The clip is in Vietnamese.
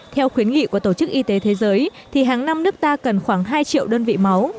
theo khuyến nghị của tổ chức y tế thế giới thì hàng năm nước ta cần khoảng hai triệu đơn vị máu